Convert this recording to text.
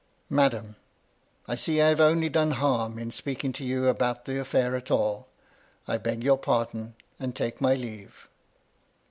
" Madam, I see I have only done harm in speaking D 2 52 MY LADY LUDLOW. to you about the affair at all. I beg your pardon, and take my leave."